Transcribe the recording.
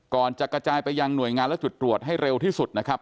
ก่อนจะกระจายไปยังหน่วยงานและจุดตรวจให้เร็วที่สุดนะครับ